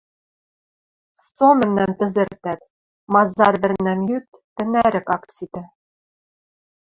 Со мӓмнӓм пӹзӹртӓт, мазар вӹрнӓм йӱт, тӹнӓрык ак ситӹ.